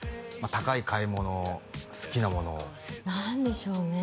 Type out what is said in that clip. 高い買い物好きなもの何でしょうね？